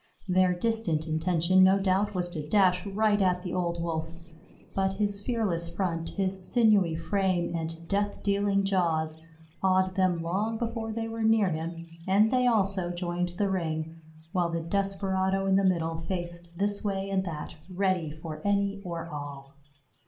Their distant intention no doubt was to dash right at the old Wolf; but his fearless front, his sinewy frame and death dealing jaws, awed them long before they were near him, and they also joined the ring, while the desperado in the middle faced this way and that, ready for any or all.